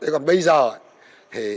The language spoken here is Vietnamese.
còn bây giờ thì